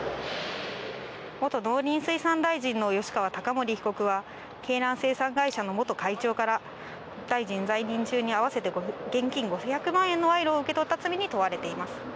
元農林水産大臣の吉川貴盛被告は鶏卵生産会社の元会長から大臣在任中に合わせて現金５００万円の賄賂を受け取った罪に問われています。